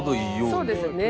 そうですね。